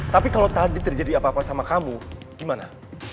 tapi kalau tadi terjadi apa apa sama kamu gimana